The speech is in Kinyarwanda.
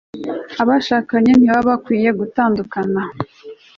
abashakanye ntibaba bakwiye gutandukanwa